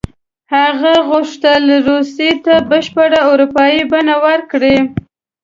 هغه غوښتل روسیې ته بشپړه اروپایي بڼه ورکړي.